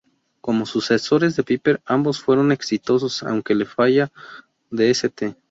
Como sucesores de Piper, ambos fueron exitosos, aunque la falla de St.